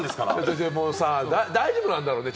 大丈夫なんだろうね？